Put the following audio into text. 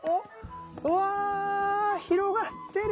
うわ広がってる。